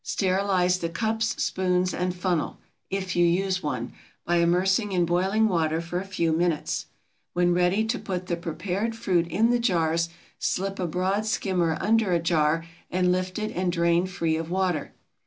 Sterilize the cups, spoons, and funnel, if you use one, by immersing in boiling water for a few minutes. When ready to put the prepared fruit in the jars slip a broad skimmer under a jar and lift it and drain free of water.